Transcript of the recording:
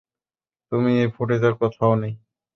তুমি এই ফুটেজের কোথাও নেই।